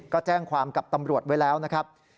ก็แจ้งความกับตำรวจไว้แล้วนะครับ